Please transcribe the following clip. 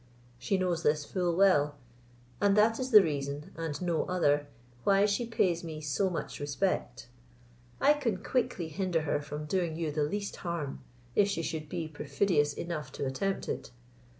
She knows this full well; and that is the reason, and no other, why she pays me so much respect. I can quickly hinder her from doing you the least harm, if she should be perfidious enough to attempt it.